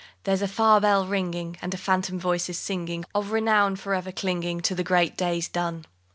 There's a far bell ringing, And a phantom voice is singing Of renown for ever clinging To the great days done.